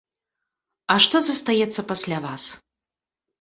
А што застаецца пасля вас?